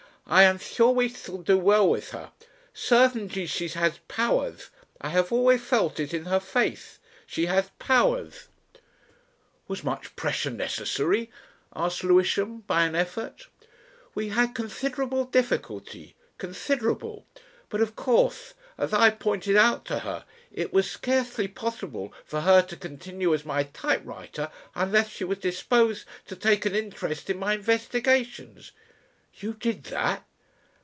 "I am sure we shall do well with her. Certainly she has powers. I have always felt it in her face. She has powers." "Was much ... pressure necessary?" asked Lewisham by an effort. "We had considerable difficulty. Considerable. But of course as I pointed out to her it was scarcely possible for her to continue as my typewriter unless she was disposed to take an interest in my investigations " "You did that?"